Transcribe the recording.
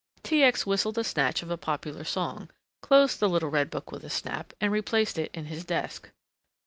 T. X. whistled a snatch of a popular song, closed the little red book with a snap and replaced it in his desk.